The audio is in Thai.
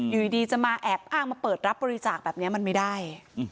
อยู่ดีจะมาแอบอ้างมาเปิดรับบริจาคแบบนี้มันไม่ได้